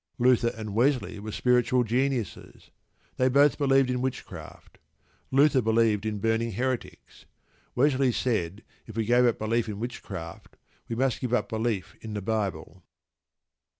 Luther and Wesley were spiritual geniuses. They both believed in witchcraft. Luther believed in burning heretics. Wesley said if we gave up belief in witchcraft we must give up belief in the Bible.